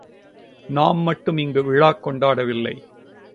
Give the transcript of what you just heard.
நாம் மட்டும் இங்கு விழாக் கொண்டாடவில்லை.